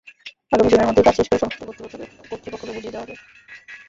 আগামী জুনের মধ্যেই কাজ শেষ করে সংশ্লিষ্ট কর্তৃপক্ষকে বুঝিয়ে দেওয়া হবে।